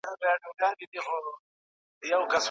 مسلکي روزنې ظرفیتونه لوړوي.